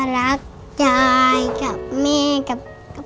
รักยายกับแม่กับ